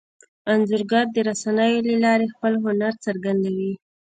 انځورګر د رسنیو له لارې خپل هنر څرګندوي.